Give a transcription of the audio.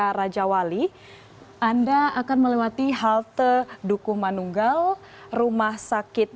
surabaya rajawali anda akan melewati halte dukuh manunggal rumah sakit